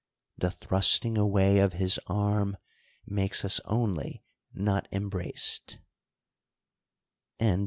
The thrusting away of his arm makes us only not embraced.